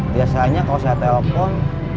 biasanya kalau saya telepon